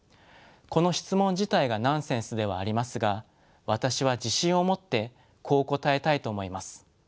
この質問自体がナンセンスではありますが私は自信を持ってこう答えたいと思います。